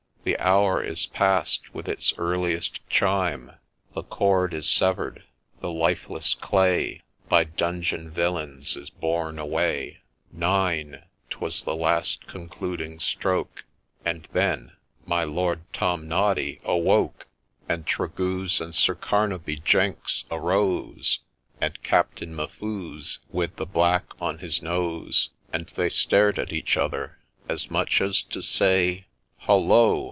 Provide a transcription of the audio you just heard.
The hour is past : with its earliest chime The cord is severed, the lifeless clay By ' dungeon villains ' is borne away : Nine !— 'twas the last concluding stroke I And then — my Lord Tomnoddy awoke ! And Tregooze and Sir Carnaby Jenks arose, And Captain M'Fuze, with the black on his nose : And they stared at each other, as much as to say 'Hollo!